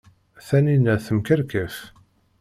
Taninna temkerfaf.